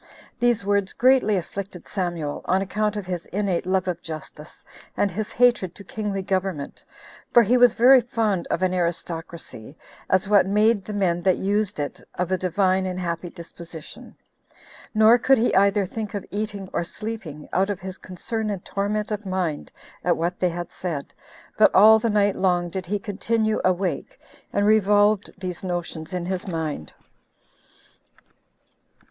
These words greatly afflicted Samuel, on account of his innate love of justice, and his hatred to kingly government, for he was very fond of an aristocracy, as what made the men that used it of a divine and happy disposition; nor could he either think of eating or sleeping, out of his concern and torment of mind at what they had said, but all the night long did he continue awake and revolved these notions in his mind.